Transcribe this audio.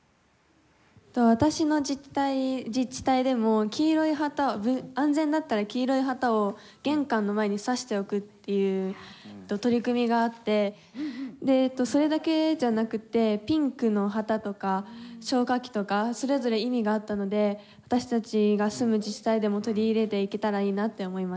私の自治体でも黄色い旗を安全だったら黄色い旗を玄関の前にさしておくっていう取り組みがあってでそれだけじゃなくてピンクの旗とか消火器とかそれぞれ意味があったので私たちが住む自治体でも取り入れていけたらいいなって思いました。